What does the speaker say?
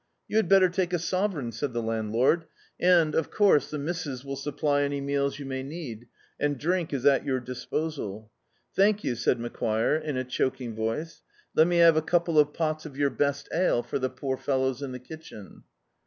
"You had better take a sovereign," said the land lord, "and, of course, the Mrs. will supply any meals you may need, and drink is at your disposal." "Thank you," said Macquire, in a choking voice — "let me have a couple of pots of your best ale for the poor fellows in the kitchen."